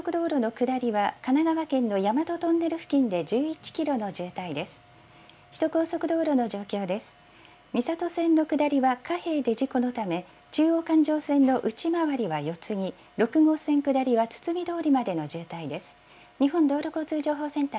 三郷線の下りはかへいで事故のため、中央環状線の内回りは四ツ木、６号線下りはつつみどおりまでの渋滞です。